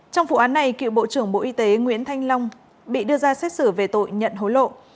trong vụ án này cựu bộ trưởng bộ y tế nguyễn thanh long bị đưa ra xét xử về tội nhận hối lộ